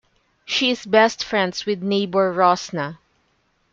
She is best friends with neighbour Rosnah.